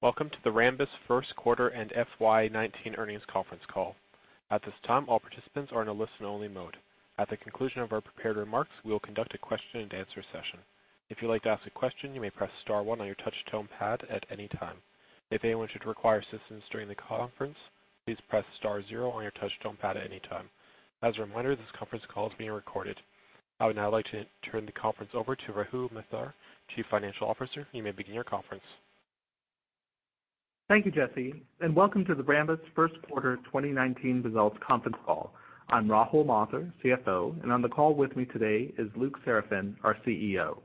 Welcome to the Rambus first quarter and FY 2019 earnings conference call. At this time, all participants are in a listen only mode. At the conclusion of our prepared remarks, we will conduct a question and answer session. If you'd like to ask a question, you may press star one on your touch tone pad at any time. If anyone should require assistance during the conference, please press star zero on your touch tone pad at any time. As a reminder, this conference call is being recorded. I would now like to turn the conference over to Rahul Mathur, Chief Financial Officer. You may begin your conference. Thank you, Jesse, and welcome to the Rambus first quarter 2019 results conference call. I'm Rahul Mathur, CFO, and on the call with me today is Luc Seraphin, our CEO.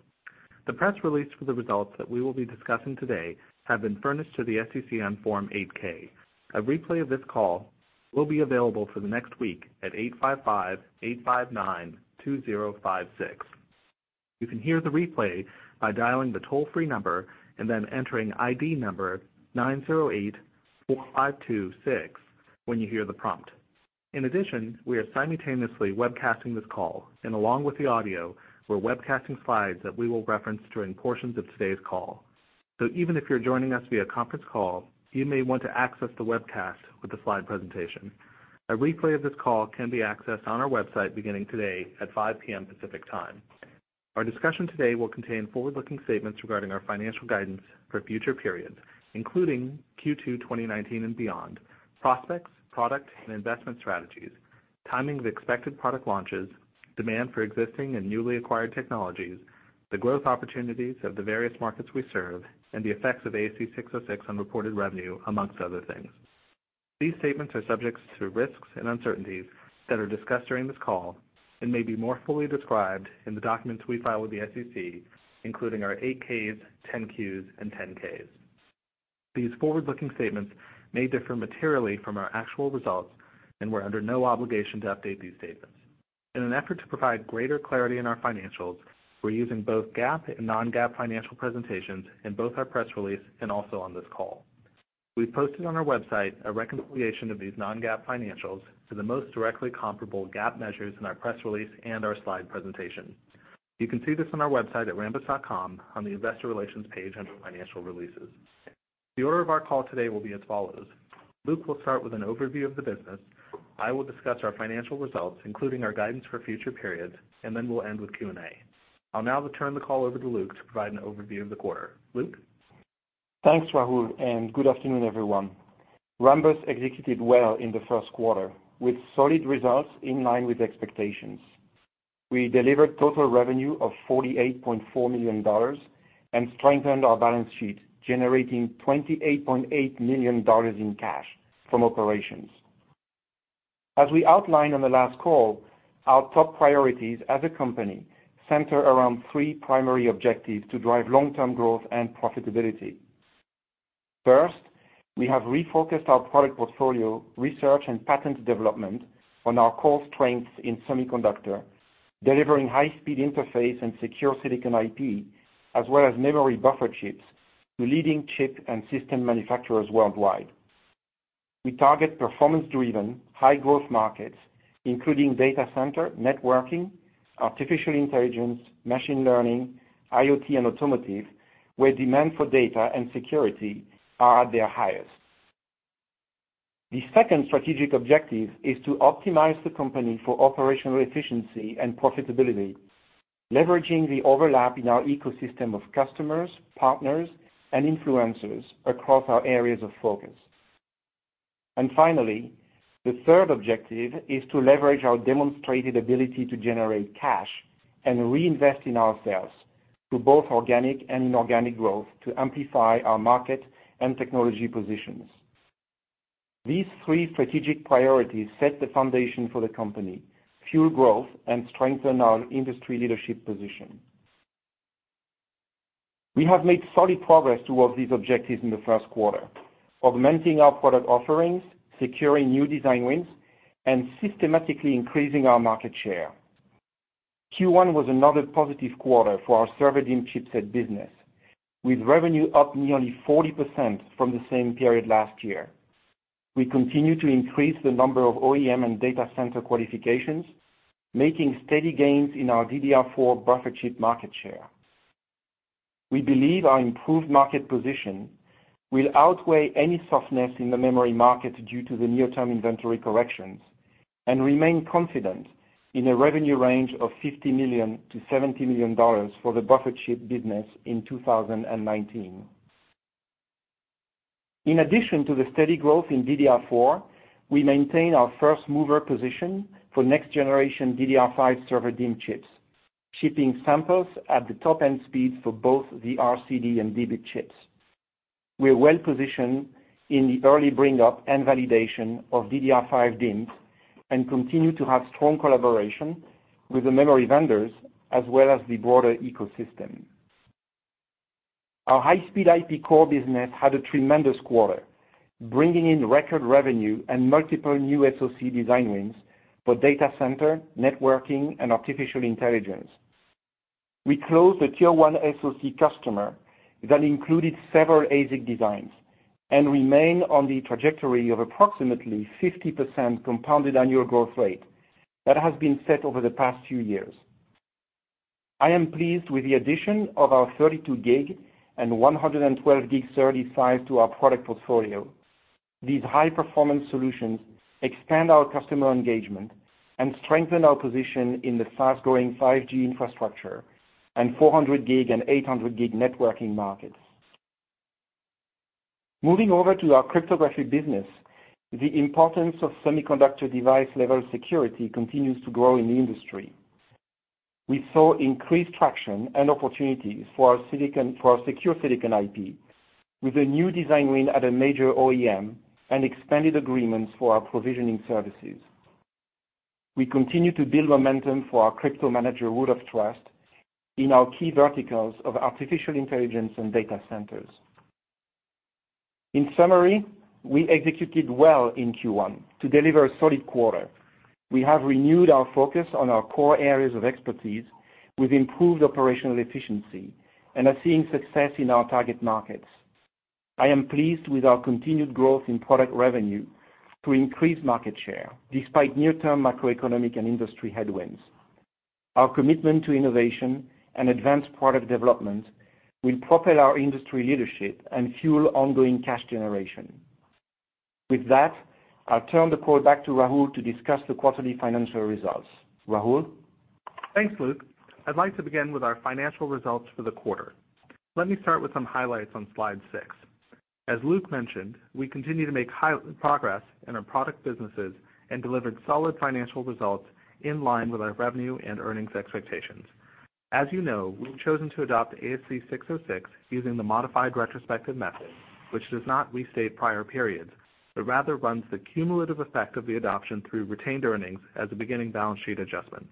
The press release for the results that we will be discussing today have been furnished to the SEC on Form 8-K. A replay of this call will be available for the next week at 855-859-2056. You can hear the replay by dialing the toll-free number and then entering ID number 9084526 when you hear the prompt. In addition, we are simultaneously webcasting this call, and along with the audio, we're webcasting slides that we will reference during portions of today's call. Even if you're joining us via conference call, you may want to access the webcast with the slide presentation. A replay of this call can be accessed on our website beginning today at 5:00 P.M. Pacific Time. Our discussion today will contain forward-looking statements regarding our financial guidance for future periods, including Q2 2019 and beyond, prospects, product, and investment strategies, timing of expected product launches, demand for existing and newly acquired technologies, the growth opportunities of the various markets we serve, and the effects of ASC 606 on reported revenue, amongst other things. These statements are subject to risks and uncertainties that are discussed during this call and may be more fully described in the documents we file with the SEC, including our 8-Ks, 10-Qs, and 10-Ks. These forward-looking statements may differ materially from our actual results, and we're under no obligation to update these statements. In an effort to provide greater clarity in our financials, we're using both GAAP and non-GAAP financial presentations in both our press release and also on this call. We've posted on our website a reconciliation of these non-GAAP financials to the most directly comparable GAAP measures in our press release and our slide presentation. You can see this on our website at rambus.com on the Investor Relations page under Financial Releases. The order of our call today will be as follows. Luc will start with an overview of the business. I will discuss our financial results, including our guidance for future periods, and then we'll end with Q&A. I'll now turn the call over to Luc to provide an overview of the quarter. Luc? Thanks, Rahul, and good afternoon, everyone. Rambus executed well in the first quarter, with solid results in line with expectations. We delivered total revenue of $48.4 million and strengthened our balance sheet, generating $28.8 million in cash from operations. As we outlined on the last call, our top priorities as a company center around three primary objectives to drive long-term growth and profitability. First, we have refocused our product portfolio, research, and patent development on our core strengths in semiconductor, delivering high-speed interface and secure silicon IP, as well as memory buffer chips to leading chip and system manufacturers worldwide. We target performance-driven, high-growth markets, including data center, networking, artificial intelligence, machine learning, IoT, and automotive, where demand for data and security are at their highest. The second strategic objective is to optimize the company for operational efficiency and profitability, leveraging the overlap in our ecosystem of customers, partners, and influencers across our areas of focus. Finally, the third objective is to leverage our demonstrated ability to generate cash and reinvest in ourselves through both organic and inorganic growth to amplify our market and technology positions. These three strategic priorities set the foundation for the company, fuel growth, and strengthen our industry leadership position. We have made solid progress towards these objectives in the first quarter, augmenting our product offerings, securing new design wins, and systematically increasing our market share. Q1 was another positive quarter for our server DIMM chipset business, with revenue up nearly 40% from the same period last year. We continue to increase the number of OEM and data center qualifications, making steady gains in our DDR4 buffer chip market share. We believe our improved market position will outweigh any softness in the memory market due to the near-term inventory corrections and remain confident in a revenue range of $50 million to $70 million for the buffer chip business in 2019. In addition to the steady growth in DDR4, we maintain our first-mover position for next-generation DDR5 server DIMM chips, shipping samples at the top-end speeds for both the RCD and DB chips. We're well-positioned in the early bring-up and validation of DDR5 DIMMs and continue to have strong collaboration with the memory vendors as well as the broader ecosystem. Our high-speed IP core business had a tremendous quarter, bringing in record revenue and multiple new SoC design wins for data center, networking, and artificial intelligence. We closed a tier 1 SoC customer that included several ASIC designs and remain on the trajectory of approximately 50% compounded annual growth rate that has been set over the past few years. I am pleased with the addition of our 32 gig and 112 gig SerDes IPs to our product portfolio. These high-performance solutions expand our customer engagement and strengthen our position in the fast-growing 5G infrastructure and 400 gig and 800 gigabit networking markets. Moving over to our cryptography business, the importance of semiconductor device-level security continues to grow in the industry. We saw increased traction and opportunities for our secure silicon IP with a new design win at a major OEM and expanded agreements for our provisioning services. We continue to build momentum for our CryptoManager Root of Trust in our key verticals of artificial intelligence and data centers. In summary, we executed well in Q1 to deliver a solid quarter. We have renewed our focus on our core areas of expertise with improved operational efficiency and are seeing success in our target markets. I am pleased with our continued growth in product revenue to increase market share despite near-term macroeconomic and industry headwinds. Our commitment to innovation and advanced product development will propel our industry leadership and fuel ongoing cash generation. With that, I'll turn the call back to Rahul to discuss the quarterly financial results. Rahul? Thanks, Luc. I'd like to begin with our financial results for the quarter. Let me start with some highlights on slide seven. As Luc mentioned, we continue to make progress in our product businesses and delivered solid financial results in line with our revenue and earnings expectations. As you know, we've chosen to adopt ASC 606 using the modified retrospective method, which does not restate prior periods, but rather runs the cumulative effect of the adoption through retained earnings as a beginning balance sheet adjustment.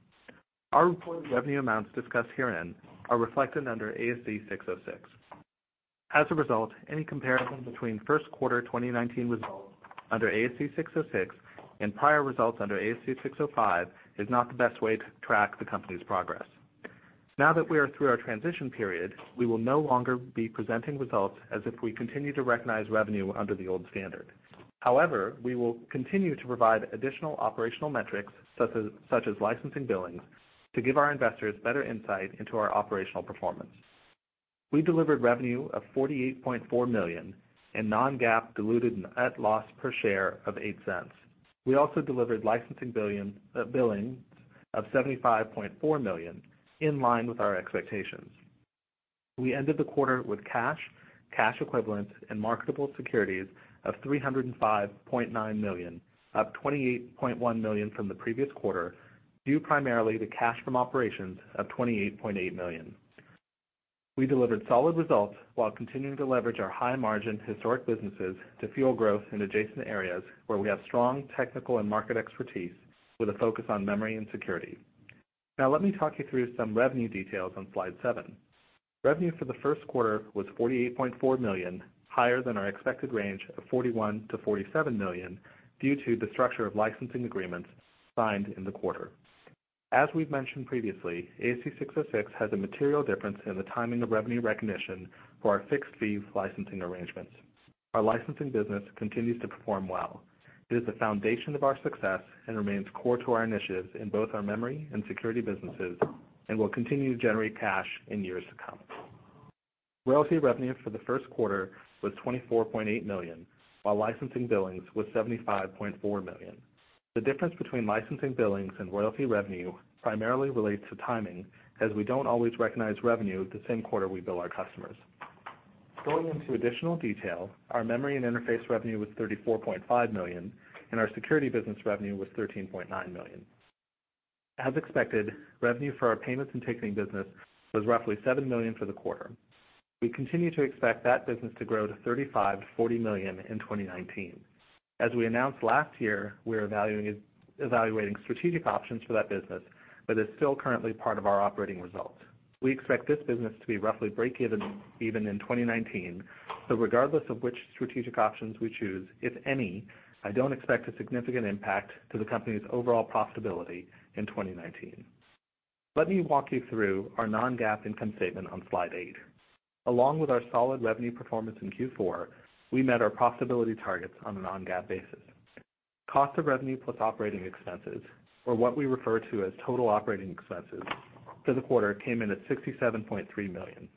Our reported revenue amounts discussed herein are reflected under ASC 606. As a result, any comparison between first quarter 2019 results under ASC 606 and prior results under ASC 605 is not the best way to track the company's progress. Now that we are through our transition period, we will no longer be presenting results as if we continue to recognize revenue under the old standard. However, we will continue to provide additional operational metrics, such as licensing billings, to give our investors better insight into our operational performance. We delivered revenue of $48.4 million and non-GAAP diluted net loss per share of $0.08. We also delivered licensing billings of $75.4 million, in line with our expectations. We ended the quarter with cash equivalents, and marketable securities of $305.9 million, up $28.1 million from the previous quarter, due primarily to cash from operations of $28.8 million. We delivered solid results while continuing to leverage our high-margin historic businesses to fuel growth in adjacent areas where we have strong technical and market expertise, with a focus on memory and security. Now let me talk you through some revenue details on slide seven. Revenue for the first quarter was $48.4 million, higher than our expected range of $41 million-$47 million due to the structure of licensing agreements signed in the quarter. As we've mentioned previously, ASC 606 has a material difference in the timing of revenue recognition for our fixed-fee licensing arrangements. Our licensing business continues to perform well. It is the foundation of our success and remains core to our initiatives in both our memory and security businesses and will continue to generate cash in years to come. Royalty revenue for the first quarter was $24.8 million, while licensing billings was $75.4 million. The difference between licensing billings and royalty revenue primarily relates to timing, as we don't always recognize revenue the same quarter we bill our customers. Going into additional detail, our memory and interface revenue was $34.5 million, and our security business revenue was $13.9 million. As expected, revenue for our payments and ticketing business was roughly $7 million for the quarter. We continue to expect that business to grow to $35 million-$40 million in 2019. As we announced last year, we are evaluating strategic options for that business, but it's still currently part of our operating results. We expect this business to be roughly breakeven in 2019, so regardless of which strategic options we choose, if any, I don't expect a significant impact to the company's overall profitability in 2019. Let me walk you through our non-GAAP income statement on slide eight. Along with our solid revenue performance in Q4, we met our profitability targets on a non-GAAP basis. Cost of revenue plus operating expenses, or what we refer to as total operating expenses, for the quarter came in at $67.3 million,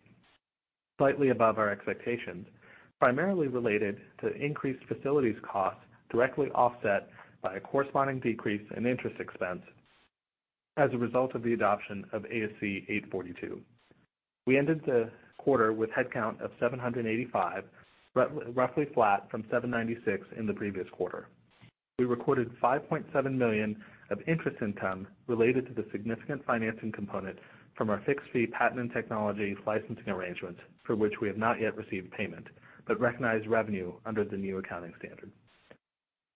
slightly above our expectations, primarily related to increased facilities costs directly offset by a corresponding decrease in interest expense as a result of the adoption of ASC 842. We ended the quarter with headcount of 785, roughly flat from 796 in the previous quarter. We recorded $5.7 million of interest income related to the significant financing component from our fixed-fee patent and technologies licensing arrangement, for which we have not yet received payment, but recognized revenue under the new accounting standard.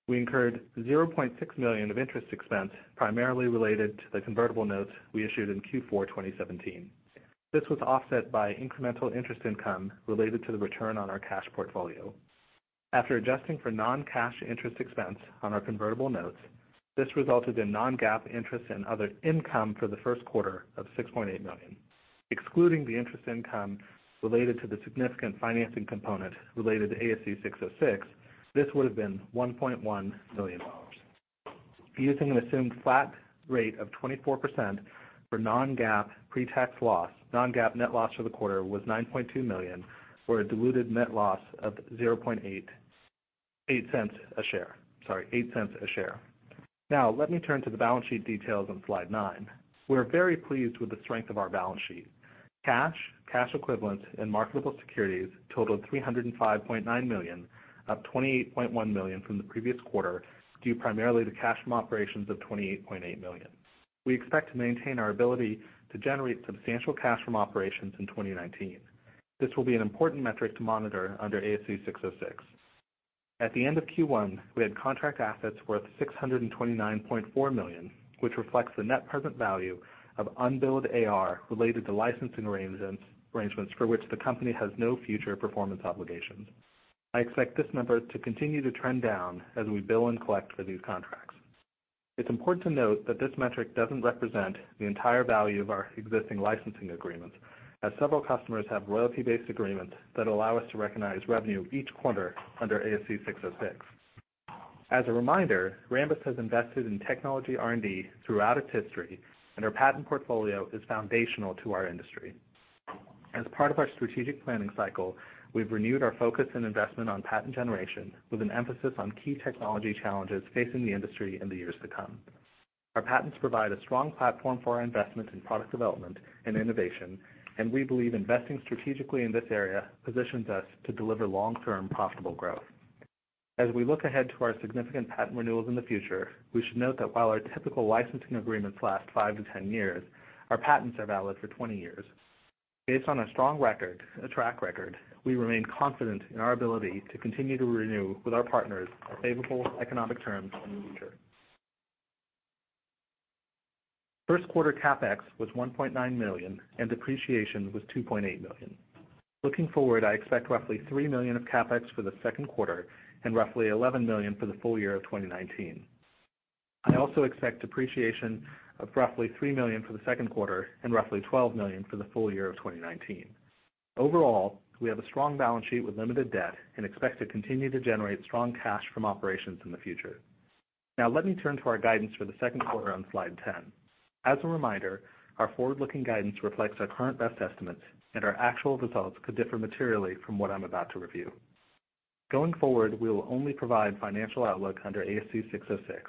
We incurred $0.6 million of interest expense primarily related to the convertible notes we issued in Q4 2017. This was offset by incremental interest income related to the return on our cash portfolio. After adjusting for non-cash interest expense on our convertible notes, this resulted in non-GAAP interest and other income for the first quarter of $6.8 million. Excluding the interest income related to the significant financing component related to ASC 606, this would have been $1.1 million. Using an assumed flat rate of 24% for non-GAAP pretax loss, non-GAAP net loss for the quarter was $9.2 million, or a diluted net loss of $0.008 a share. Now let me turn to the balance sheet details on slide nine. We are very pleased with the strength of our balance sheet. Cash, cash equivalents, and marketable securities totaled $305.9 million, up $28.1 million from the previous quarter, due primarily to cash from operations of $28.8 million. We expect to maintain our ability to generate substantial cash from operations in 2019. This will be an important metric to monitor under ASC 606. At the end of Q1, we had contract assets worth $629.4 million, which reflects the net present value of unbilled AR related to licensing arrangements for which the company has no future performance obligations. I expect this number to continue to trend down as we bill and collect for these contracts. It's important to note that this metric doesn't represent the entire value of our existing licensing agreements, as several customers have royalty-based agreements that allow us to recognize revenue each quarter under ASC 606. As a reminder, Rambus has invested in technology R&D throughout its history, and our patent portfolio is foundational to our industry. As part of our strategic planning cycle, we've renewed our focus and investment on patent generation with an emphasis on key technology challenges facing the industry in the years to come. Our patents provide a strong platform for our investments in product development and innovation, and we believe investing strategically in this area positions us to deliver long-term profitable growth. As we look ahead to our significant patent renewals in the future, we should note that while our typical licensing agreements last 5-10 years, our patents are valid for 20 years. Based on a strong track record, we remain confident in our ability to continue to renew with our partners on favorable economic terms in the future. First quarter CapEx was $1.9 million, and depreciation was $2.8 million. Looking forward, I expect roughly $3 million of CapEx for the second quarter and roughly $11 million for the full year of 2019. I also expect depreciation of roughly $3 million for the second quarter and roughly $12 million for the full year of 2019. Overall, we have a strong balance sheet with limited debt and expect to continue to generate strong cash from operations in the future. Let me turn to our guidance for the second quarter on slide 10. As a reminder, our forward-looking guidance reflects our current best estimates, and our actual results could differ materially from what I'm about to review. Going forward, we will only provide financial outlook under ASC 606.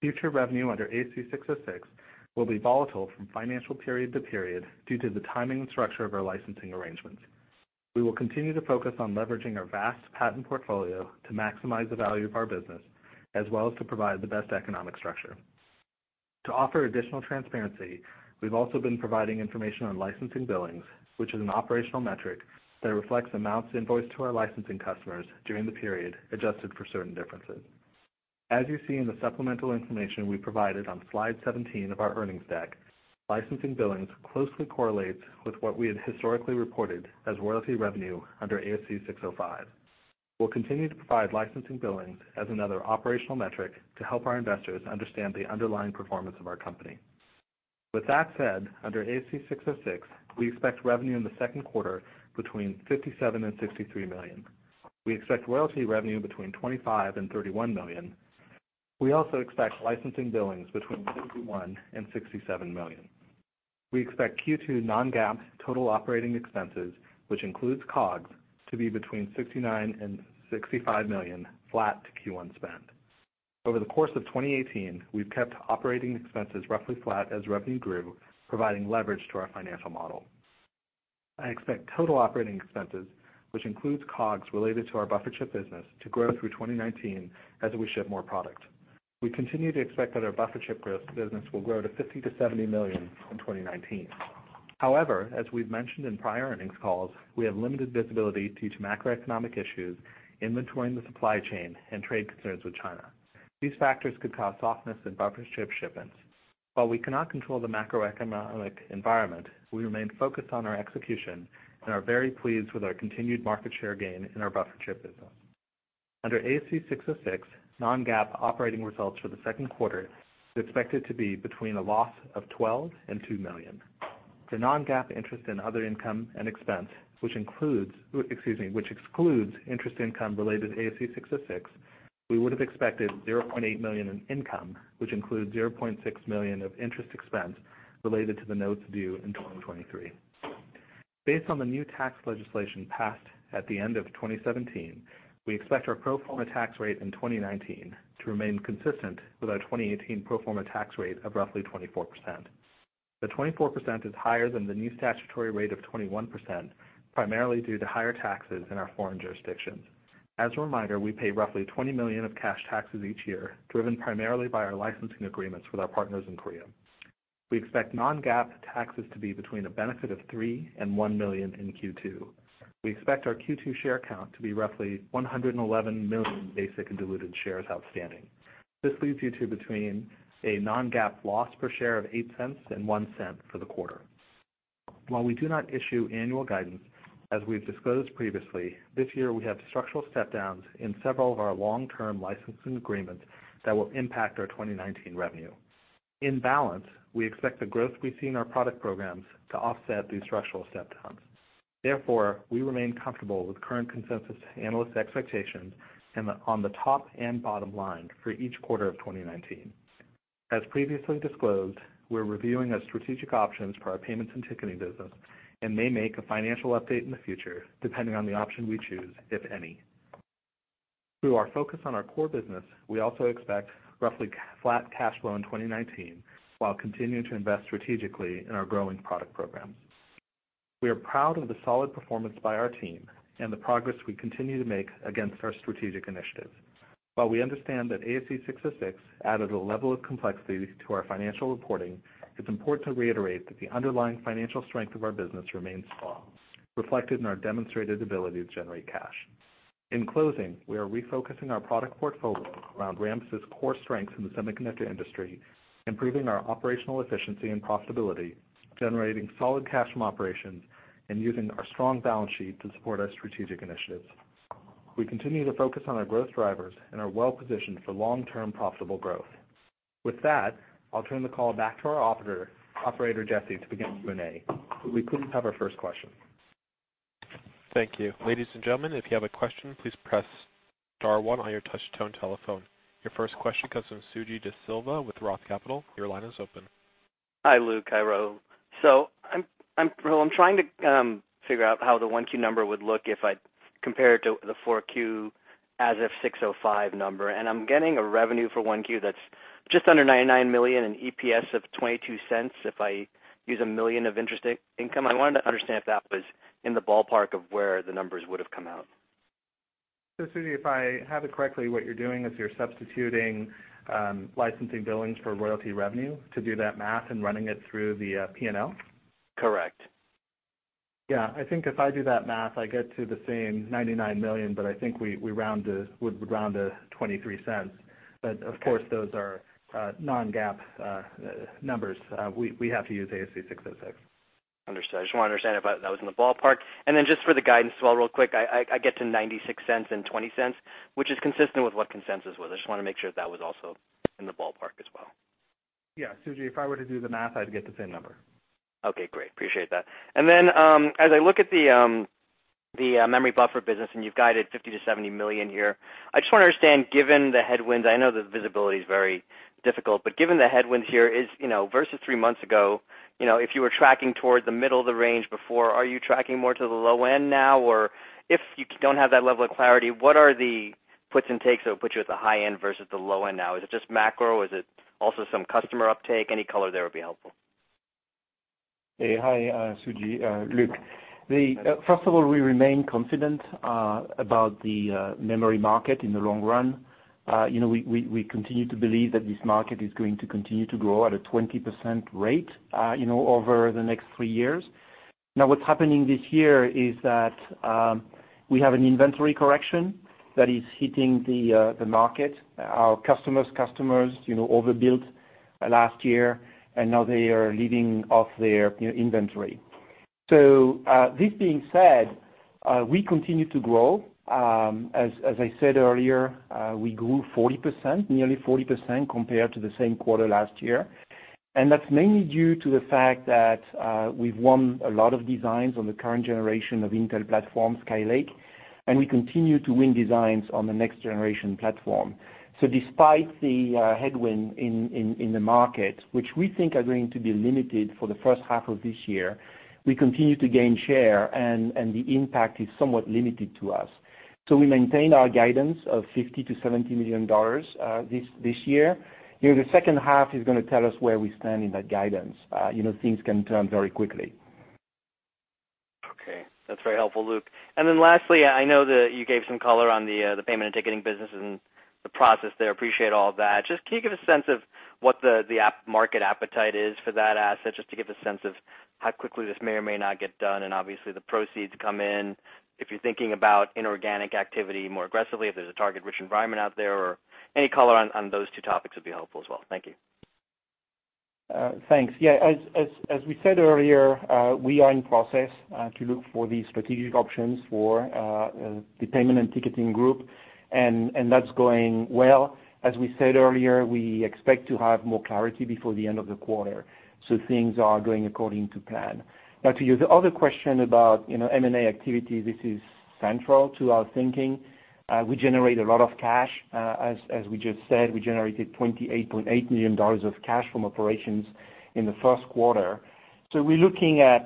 Future revenue under ASC 606 will be volatile from financial period to period due to the timing and structure of our licensing arrangements. We will continue to focus on leveraging our vast patent portfolio to maximize the value of our business, as well as to provide the best economic structure. To offer additional transparency, we've also been providing information on licensing billings, which is an operational metric that reflects amounts invoiced to our licensing customers during the period, adjusted for certain differences. As you see in the supplemental information we provided on slide 17 of our earnings deck, licensing billings closely correlates with what we had historically reported as royalty revenue under ASC 605. We'll continue to provide licensing billings as another operational metric to help our investors understand the underlying performance of our company. With that said, under ASC 606, we expect revenue in the second quarter between $57 million and $63 million. We expect royalty revenue between $25 million and $31 million. We also expect licensing billings between $51 million and $67 million. We expect Q2 non-GAAP total operating expenses, which includes COGS, to be between $69 million and $65 million, flat to Q1 spend. Over the course of 2018, we've kept operating expenses roughly flat as revenue grew, providing leverage to our financial model. I expect total operating expenses, which includes COGS related to our buffer chip business, to grow through 2019 as we ship more product. We continue to expect that our buffer chip business will grow to $50 million-$70 million in 2019. However, as we've mentioned in prior earnings calls, we have limited visibility due to macroeconomic issues, inventory in the supply chain, and trade concerns with China. These factors could cause softness in buffer chip shipments. While we cannot control the macroeconomic environment, we remain focused on our execution and are very pleased with our continued market share gain in our buffer chip business. Under ASC 606, non-GAAP operating results for the second quarter is expected to be between a loss of $12 million and $2 million. For non-GAAP interest and other income and expense, which excludes interest income related to ASC 606, we would have expected $0.8 million in income, which includes $0.6 million of interest expense related to the notes due in 2023. Based on the new tax legislation passed at the end of 2017, we expect our pro forma tax rate in 2019 to remain consistent with our 2018 pro forma tax rate of roughly 24%. The 24% is higher than the new statutory rate of 21%, primarily due to higher taxes in our foreign jurisdictions. As a reminder, we pay roughly $20 million of cash taxes each year, driven primarily by our licensing agreements with our partners in Korea. We expect non-GAAP taxes to be between a benefit of $3 million and $1 million in Q2. We expect our Q2 share count to be roughly 111 million basic and diluted shares outstanding. This leaves you to between a non-GAAP loss per share of $0.08 and $0.01 for the quarter. While we do not issue annual guidance, as we've disclosed previously, this year we have structural step downs in several of our long-term licensing agreements that will impact our 2019 revenue. In balance, we expect the growth we see in our product programs to offset these structural step downs. We remain comfortable with current consensus analysts' expectations on the top and bottom line for each quarter of 2019. As previously disclosed, we're reviewing strategic options for our payments and ticketing business and may make a financial update in the future, depending on the option we choose, if any. Through our focus on our core business, we also expect roughly flat cash flow in 2019, while continuing to invest strategically in our growing product program. We are proud of the solid performance by our team and the progress we continue to make against our strategic initiatives. While we understand that ASC 606 added a level of complexity to our financial reporting, it's important to reiterate that the underlying financial strength of our business remains strong, reflected in our demonstrated ability to generate cash. In closing, we are refocusing our product portfolio around Rambus core strengths in the semiconductor industry, improving our operational efficiency and profitability, generating solid cash from operations, and using our strong balance sheet to support our strategic initiatives. We continue to focus on our growth drivers and are well-positioned for long-term profitable growth. With that, I'll turn the call back to our operator, Jesse, to begin Q&A. We could have our first question. Thank you. Ladies and gentlemen, if you have a question, please press star one on your touch tone telephone. Your first question comes from Suji De Silva with Roth Capital. Your line is open. Hi, Luc, hi, Rahul. I'm trying to figure out how the 1Q number would look if I compare it to the 4Q as if 605 number, and I'm getting a revenue for 1Q that's just under $99 million and EPS of $0.22 if I use $1 million of interest income. I wanted to understand if that was in the ballpark of where the numbers would have come out. Suji, if I have it correctly, what you're doing is you're substituting licensing billings for royalty revenue to do that math and running it through the P&L? Correct. Yeah. I think if I do that math, I get to the same $99 million, but I think we would round to $0.23. Okay. Of course, those are non-GAAP numbers. We have to use ASC 606. Understood. I just want to understand if that was in the ballpark. Then just for the guidance as well, real quick, I get to $0.96 and $0.20, which is consistent with what consensus was. I just want to make sure that was also in the ballpark as well. Yeah. Suji, if I were to do the math, I'd get the same number. Okay, great. Appreciate that. Then, as I look at the memory buffer business, and you've guided $50 million-$70 million here, I just want to understand, given the headwinds, I know the visibility is very difficult, but given the headwinds here, versus three months ago, if you were tracking towards the middle of the range before, are you tracking more to the low end now? Or if you don't have that level of clarity, what are the puts and takes that would put you at the high end versus the low end now? Is it just macro? Is it also some customer uptake? Any color there would be helpful. Hi, Suji. Luc. First of all, we remain confident about the memory market in the long run. We continue to believe that this market is going to continue to grow at a 20% rate over the next 3 years. What's happening this year is that we have an inventory correction that is hitting the market. Our customers' customers overbuilt last year, and now they are leading off their inventory. This being said, we continue to grow. As I said earlier, we grew 40%, nearly 40% compared to the same quarter last year. That's mainly due to the fact that we've won a lot of designs on the current generation of Intel platform, Skylake, and we continue to win designs on the next generation platform. Despite the headwind in the market, which we think are going to be limited for the first half of this year, we continue to gain share and the impact is somewhat limited to us. We maintain our guidance of $50 million to $70 million this year. The second half is going to tell us where we stand in that guidance. Things can turn very quickly. That's very helpful, Luc. Lastly, I know that you gave some color on the payment and ticketing business and the process there. Appreciate all that. Can you give a sense of what the market appetite is for that asset, just to give a sense of how quickly this may or may not get done, and obviously the proceeds come in, if you're thinking about inorganic activity more aggressively, if there's a target-rich environment out there or any color on those two topics would be helpful as well. Thank you. Thanks. As we said earlier, we are in process to look for the strategic options for the payment and ticketing group, and that's going well. As we said earlier, we expect to have more clarity before the end of the quarter. Things are going according to plan. To your other question about M&A activity, this is central to our thinking. We generate a lot of cash. As we just said, we generated $28.8 million of cash from operations in the first quarter. We're looking at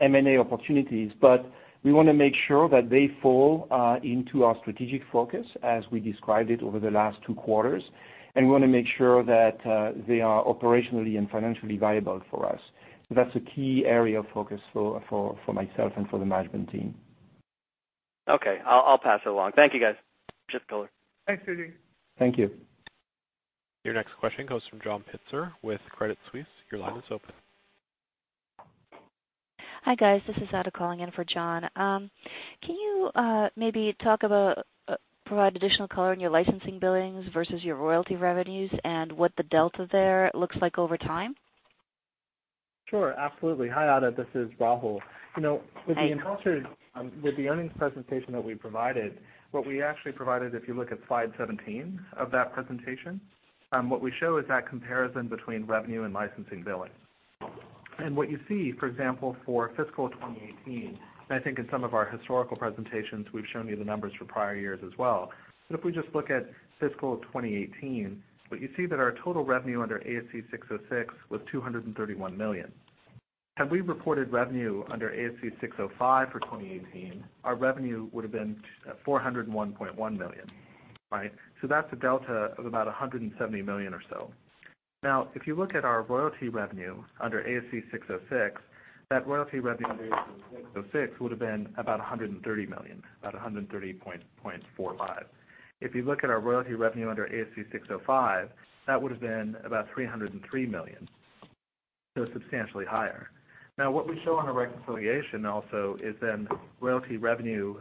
M&A opportunities, but we want to make sure that they fall into our strategic focus as we described it over the last 2 quarters. We want to make sure that they are operationally and financially viable for us. That's a key area of focus for myself and for the management team. Okay. I'll pass it along. Thank you, guys. Appreciate the color. Thanks, Suji. Thank you. Your next question comes from John Pitzer with Credit Suisse. Your line is open. Hi, guys. This is Ada calling in for John. Can you maybe provide additional color on your licensing billings versus your royalty revenues and what the delta there looks like over time? Sure, absolutely. Hi, Ada, this is Rahul. Hi. With the earnings presentation that we provided, if you look at slide 17 of that presentation, what we show is that comparison between revenue and licensing billings. What you see, for example, for fiscal 2018, and I think in some of our historical presentations, we've shown you the numbers for prior years as well. If we just look at fiscal 2018, what you see that our total revenue under ASC 606 was $231 million. Had we reported revenue under ASC 605 for 2018, our revenue would have been $401.1 million, right? That's a delta of about $170 million or so. If you look at our royalty revenue under ASC 606, that royalty revenue under 606 would have been about $130 million, about $130.45. If you look at our royalty revenue under ASC 605, that would have been about $303 million. Substantially higher. What we show on the reconciliation also is royalty revenue,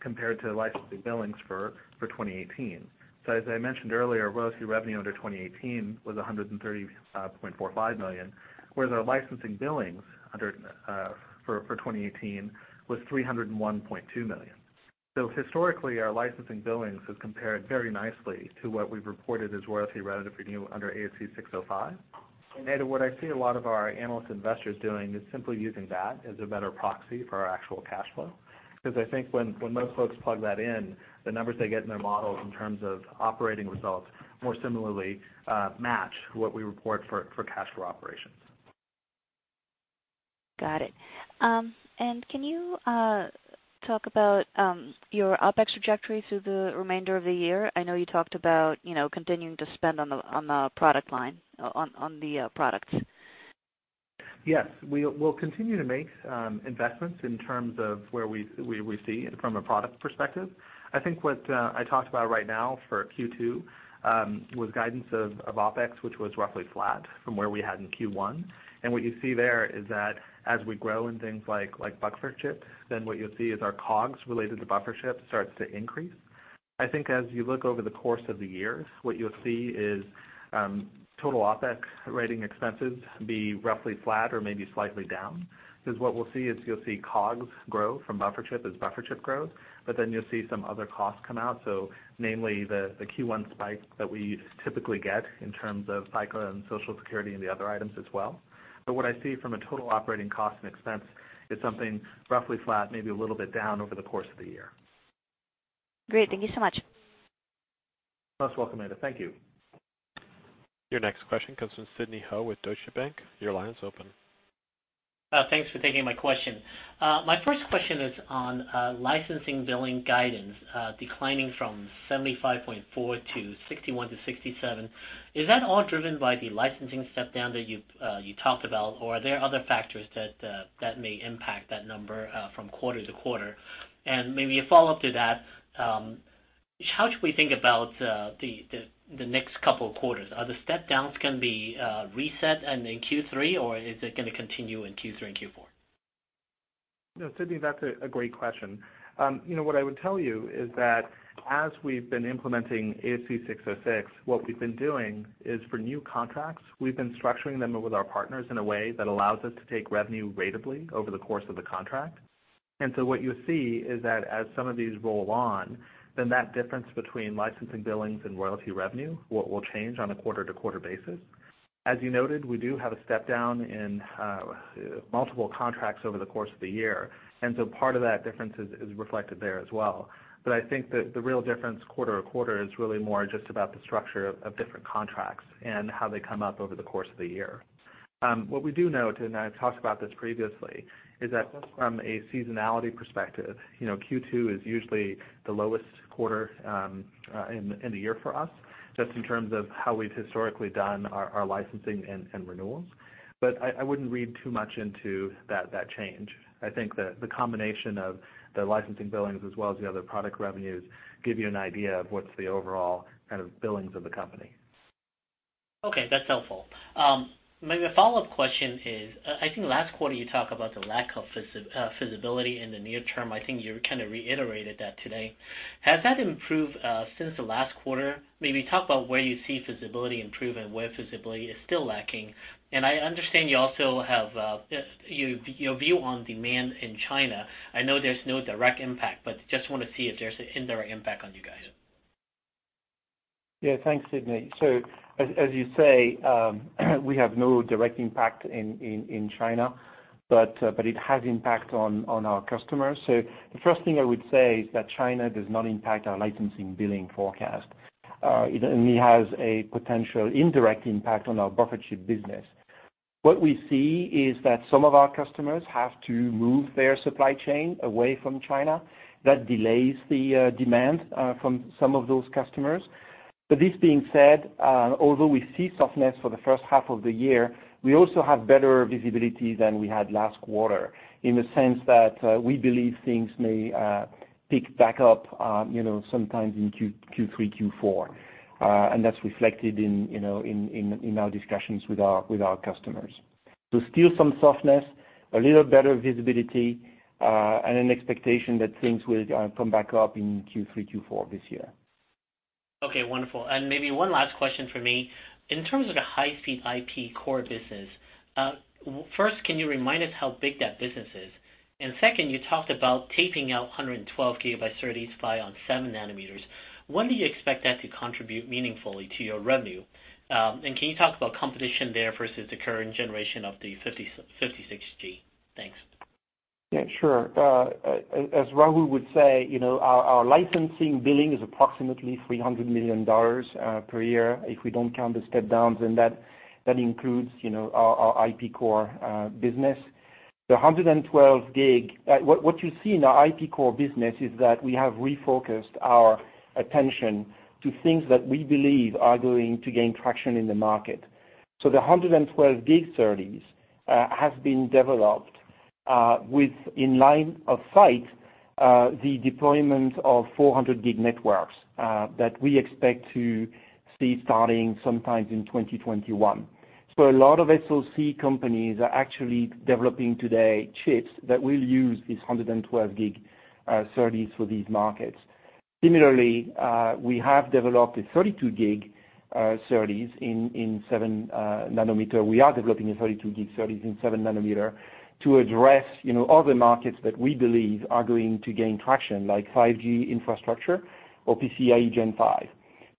compared to licensing billings for 2018. As I mentioned earlier, royalty revenue under 2018 was $130.45 million, whereas our licensing billings for 2018 was $301.2 million. Historically, our licensing billings has compared very nicely to what we've reported as royalty revenue under ASC 605. What I see a lot of our analyst investors doing is simply using that as a better proxy for our actual cash flow. I think when most folks plug that in, the numbers they get in their models in terms of operating results, more similarly match what we report for cash flow operations. Can you talk about your OPEX trajectory through the remainder of the year? I know you talked about continuing to spend on the products. Yes. We'll continue to make investments in terms of where we see it from a product perspective. I think what I talked about right now for Q2, was guidance of OPEX, which was roughly flat from where we had in Q1. What you see there is that as we grow in things like buffer chip, then what you'll see is our COGS related to buffer chip starts to increase. I think as you look over the course of the year, what you'll see is total OPEX rating expenses be roughly flat or maybe slightly down. What we'll see is you'll see COGS grow from buffer chip as buffer chip grows, but then you'll see some other costs come out. Namely the Q1 spike that we typically get in terms of FICA and Social Security and the other items as well. What I see from a total operating cost and expense is something roughly flat, maybe a little bit down over the course of the year. Great. Thank you so much. Most welcome, Ada. Thank you. Your next question comes from Sidney Ho with Deutsche Bank. Your line is open. Thanks for taking my question. My first question is on licensing billings guidance declining from $75.4 million to $61 million-$67 million. Is that all driven by the licensing step down that you talked about or are there other factors that may impact that number from quarter-to-quarter? Maybe a follow-up to that, how should we think about the next couple of quarters? Are the step downs going to be reset in Q3 or is it going to continue in Q3 and Q4? No, Sidney, that's a great question. What I would tell you is that as we've been implementing ASC 606, what we've been doing is for new contracts, we've been structuring them with our partners in a way that allows us to take revenue ratably over the course of the contract. What you'll see is that as some of these roll on, then that difference between licensing billings and royalty revenue, what will change on a quarter-to-quarter basis. As you noted, we do have a step down in multiple contracts over the course of the year, part of that difference is reflected there as well. I think that the real difference quarter-to-quarter is really more just about the structure of different contracts and how they come up over the course of the year. What we do note, and I talked about this previously, is that from a seasonality perspective, Q2 is usually the lowest quarter in the year for us, just in terms of how we've historically done our licensing and renewals. I wouldn't read too much into that change. I think that the combination of the licensing billings as well as the other product revenues give you an idea of what's the overall kind of billings of the company. Okay. That's helpful. My follow-up question is, I think last quarter you talked about the lack of visibility in the near term. I think you kind of reiterated that today. Has that improved since the last quarter? Maybe talk about where you see visibility improve and where visibility is still lacking. I understand you also have your view on demand in China. I know there's no direct impact, but just want to see if there's an indirect impact on you guys. Yeah, thanks, Sidney. As you say, we have no direct impact in China, but it has impact on our customers. The first thing I would say is that China does not impact our licensing billing forecast. It only has a potential indirect impact on our Buffer Chip business. What we see is that some of our customers have to move their supply chain away from China. That delays the demand from some of those customers. This being said, although we see softness for the first half of the year, we also have better visibility than we had last quarter in the sense that we believe things may pick back up sometime in Q3, Q4. That's reflected in our discussions with our customers. Still some softness, a little better visibility, and an expectation that things will come back up in Q3, Q4 this year. Okay, wonderful. Maybe one last question from me. In terms of the high-speed IP core business, first, can you remind us how big that business is? Second, you talked about taping out 112 GB SerDes PHY on 7 nanometers. When do you expect that to contribute meaningfully to your revenue? Can you talk about competition there versus the current generation of the 56G? Thanks. Yeah, sure. As Rahul would say, our licensing billings is approximately $300 million per year if we don't count the step-downs. That includes our IP core business. The 112G, what you see in our IP core business is that we have refocused our attention to things that we believe are going to gain traction in the market. The 112G SerDes has been developed with, in line of sight, the deployment of 400G networks that we expect to see starting sometime in 2021. A lot of SoC companies are actually developing today chips that will use these 112G SerDes for these markets. Similarly, we have developed a 32G SerDes in 7nm. We are developing a 32G SerDes in 7nm to address other markets that we believe are going to gain traction, like 5G infrastructure or PCIe Gen 5.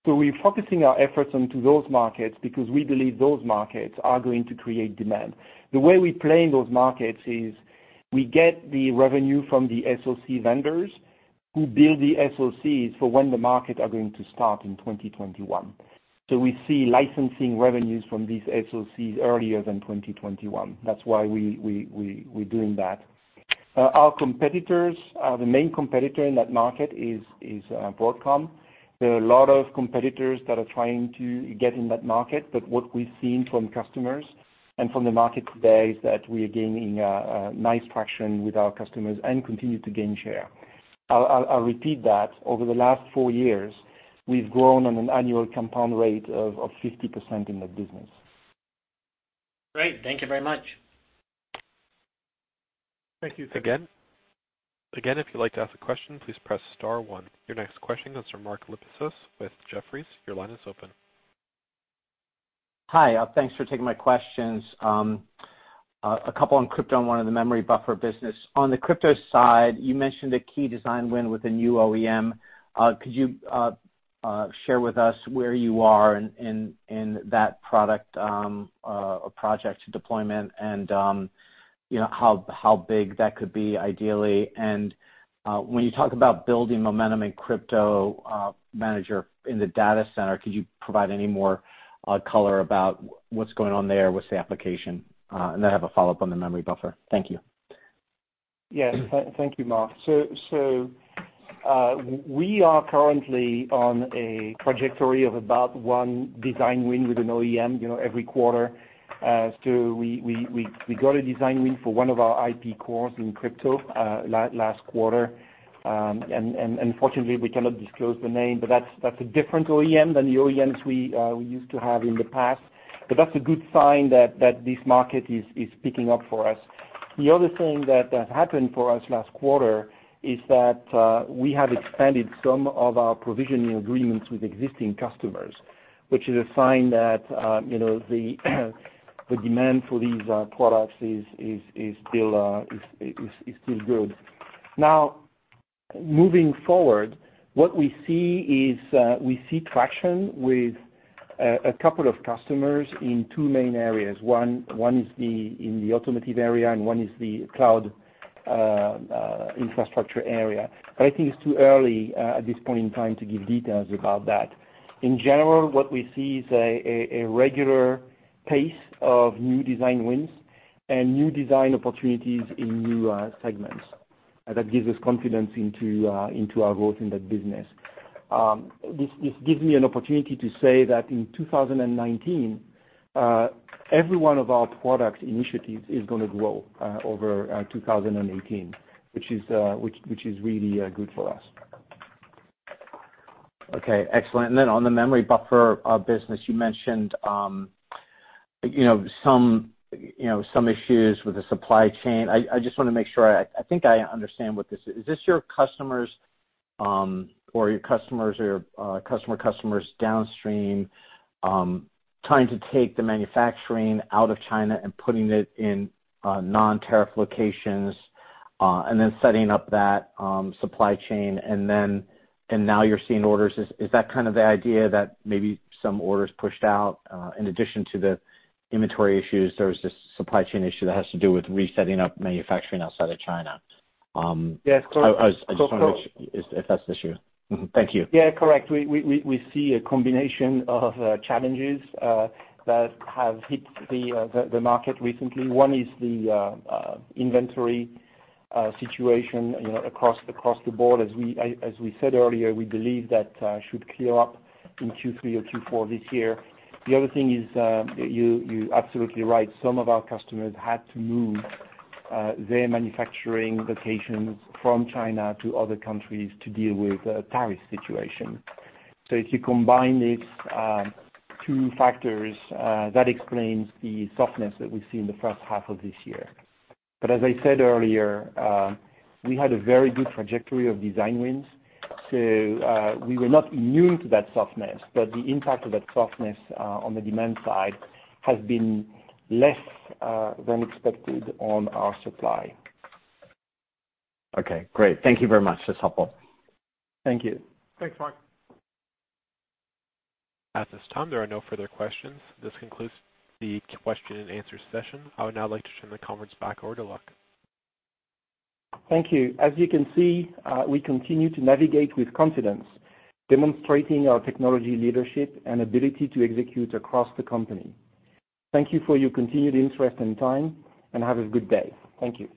We're focusing our efforts onto those markets because we believe those markets are going to create demand. The way we play in those markets is we get the revenue from the SoC vendors who build the SoCs for when the market are going to start in 2021. We see licensing revenues from these SoCs earlier than 2021. That's why we're doing that. Our competitors, the main competitor in that market is Broadcom. There are a lot of competitors that are trying to get in that market. What we've seen from customers and from the market today is that we are gaining nice traction with our customers and continue to gain share. I'll repeat that. Over the last four years, we've grown on an annual compound rate of 50% in that business. Great. Thank you very much. Thank you. Again, if you'd like to ask a question, please press star one. Your next question comes from Mark Lipacis with Jefferies. Your line is open. Hi. Thanks for taking my questions. A couple on Crypto and one on the memory buffer business. On the Crypto side, you mentioned a key design win with a new OEM. Could you share with us where you are in that product or project deployment and how big that could be ideally? When you talk about building momentum in CryptoManager in the data center, could you provide any more color about what's going on there, what's the application? I have a follow-up on the memory buffer. Thank you. Thank you, Mark. We are currently on a trajectory of about one design win with an OEM every quarter. We got a design win for one of our IP cores in Crypto last quarter. Unfortunately, we cannot disclose the name, but that's a different OEM than the OEMs we used to have in the past. That's a good sign that this market is picking up for us. The other thing that happened for us last quarter is that we have expanded some of our provisioning agreements with existing customers, which is a sign that the demand for these products is still good. Moving forward, what we see is we see traction with a couple of customers in two main areas. One is in the automotive area, and one is the cloud infrastructure area. I think it's too early at this point in time to give details about that. In general, what we see is a regular pace of new design wins and new design opportunities in new segments. That gives us confidence into our growth in that business. This gives me an opportunity to say that in 2019, every one of our product initiatives is going to grow over 2018, which is really good for us. Okay, excellent. On the memory buffer business, you mentioned some issues with the supply chain. I just want to make sure, I think I understand what this is. Is this your customers or your customer customers downstream trying to take the manufacturing out of China and putting it in non-tariff locations, and then setting up that supply chain, and now you're seeing orders? Is that kind of the idea that maybe some orders pushed out, in addition to the inventory issues, there's this supply chain issue that has to do with resetting up manufacturing outside of China? Yes, correct. I just want to make sure if that's the issue. Thank you. Yeah, correct. We see a combination of challenges that have hit the market recently. One is the inventory situation across the board. As we said earlier, we believe that should clear up in Q3 or Q4 this year. The other thing is, you're absolutely right. Some of our customers had to move their manufacturing locations from China to other countries to deal with the tariff situation. If you combine these two factors, that explains the softness that we've seen in the first half of this year. As I said earlier, we had a very good trajectory of design wins. We were not immune to that softness, but the impact of that softness on the demand side has been less than expected on our supply. Okay, great. Thank you very much. That's helpful. Thank you. Thanks, Mark. At this time, there are no further questions. This concludes the question and answer session. I would now like to turn the conference back over to Luc. Thank you. As you can see, we continue to navigate with confidence, demonstrating our technology leadership and ability to execute across the company. Thank you for your continued interest and time. Have a good day. Thank you